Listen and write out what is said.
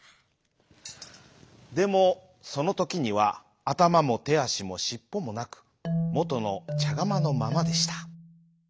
でもそのときにはあたまもてあしもしっぽもなくもとのちゃがまのままでした。